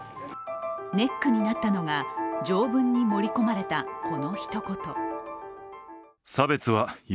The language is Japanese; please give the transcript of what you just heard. ネックになったのが条文に盛り込まれたこのひと言。